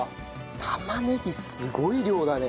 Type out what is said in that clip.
玉ねぎすごい量だね。